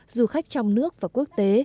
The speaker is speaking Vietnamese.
du khách trong nước và quốc tế